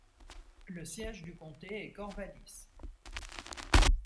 Le siège du comté est Corvallis.